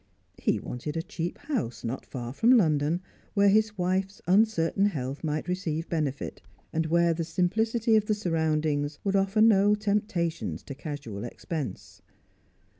He wanted a cheap house not far from London, where his wife's uncertain health might receive benefit, and where the simplicity of the surroundings would offer no temptations to casual expense.